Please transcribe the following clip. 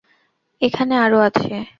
এখানে আরো আছে।